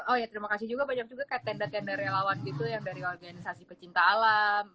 oh ya terima kasih juga banyak juga kayak tenda tenda relawan gitu yang dari organisasi pecinta alam